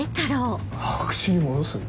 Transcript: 白紙に戻す？